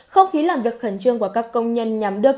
không khí làm việc khẩn trương của các công nhân nhằm đưa